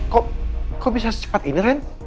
kok kok bisa secepat ini ren